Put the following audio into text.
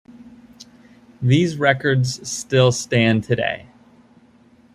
These records still stand today.